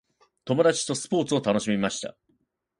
友達とスポーツを楽しみました。